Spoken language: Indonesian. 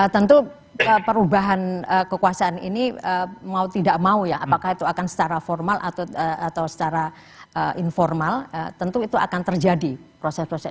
tentu perubahan kekuasaan ini mau tidak mau ya apakah itu akan secara formal atau secara informal tentu itu akan terjadi proses proses